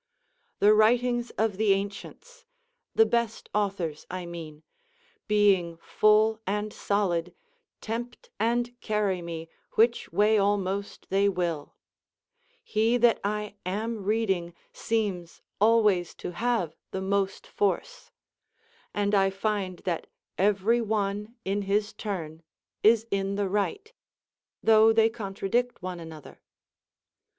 The writings of the ancients, the best authors I mean, being full and solid, tempt and carry me which way almost they will; he that I am reading seems always to have the most force; and I find that every one in his turn is in the right, though they contradict one another.